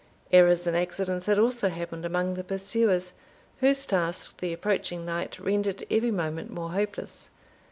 Errors and accidents had also happened among the pursuers, whose task the approaching night rendered every moment more hopeless.